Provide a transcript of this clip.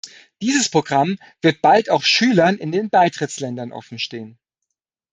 Dieses Programm wird bald auch Schülern in den Beitrittsländern offen stehen.